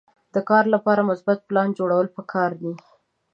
د کار لپاره مثبت پلان جوړول پکار دي.